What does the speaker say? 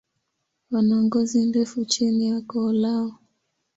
Wana ngozi ndefu chini ya koo lao.